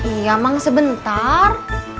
iya mang sebentar